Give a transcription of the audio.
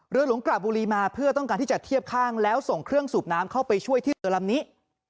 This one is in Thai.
หลวงกระบุรีมาเพื่อต้องการที่จะเทียบข้างแล้วส่งเครื่องสูบน้ำเข้าไปช่วยที่เรือลำนี้